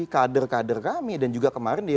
kader kader kami dan juga kemarin